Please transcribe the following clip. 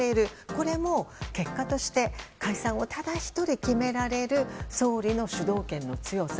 これも結果として解散をただ１人決められる総理の主導権の強さ。